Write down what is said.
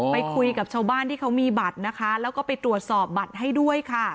ไปคุยกับชาวบ้านที่เขามีบัตรนะคะแล้วก็ไปตรวจสอบบัตรให้ด้วยค่ะ